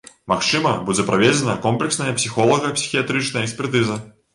Магчыма, будзе праведзена комплексная псіхолага-псіхіятрычная экспертыза.